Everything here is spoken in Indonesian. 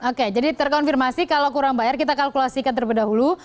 oke jadi terkonfirmasi kalau kurang bayar kita kalkulasikan terlebih dahulu